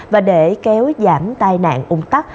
và để kéo giảm tai nạn ủng tắc